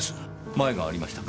マエがありましたか？